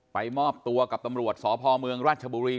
ไปมอบตัวกับตำรวจสปมรรัชบุรี